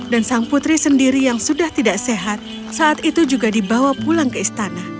dan sang putri sendiri yang sudah tidak sehat saat itu juga dibawa pulang ke istana